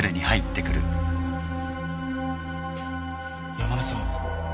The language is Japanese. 山根さん。